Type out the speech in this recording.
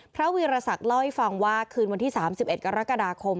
วีรศักดิ์เล่าให้ฟังว่าคืนวันที่๓๑กรกฎาคม